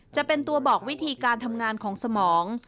จะเป็นตัวบอกวิธีการทำงานของสมอง